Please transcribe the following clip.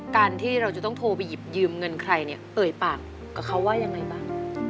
การที่เราจะต้องโทรไปหยิบยืมเงินใครเนี่ยเอ่ยปากกับเขาว่ายังไงบ้าง